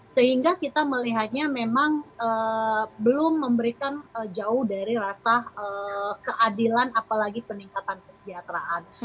sehingga kita melihatnya memang belum memberikan jauh dari rasa keadilan apalagi peningkatan kesejahteraan